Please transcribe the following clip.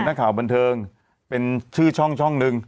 นักข่าวบันเทิงเป็นชื่อช่องนึง